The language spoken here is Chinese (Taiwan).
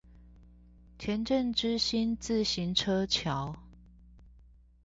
前鎮之星自行車橋